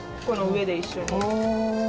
この上で一緒に。